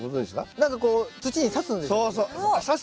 なんかこう土に刺すんですよね。